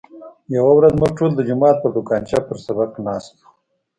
یوه ورځ موږ ټول د جومات پر تنګاچه پر سبق ناست وو.